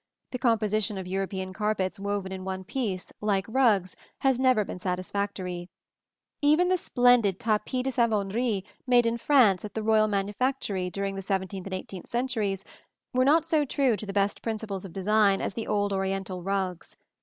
The composition of European carpets woven in one piece, like rugs, has never been satisfactory. Even the splendid tapis de Savonnerie made in France at the royal manufactory during the seventeenth and eighteenth centuries were not so true to the best principles of design as the old Oriental rugs.